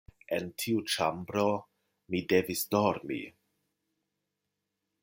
En tiu ĉambro mi devis dormi.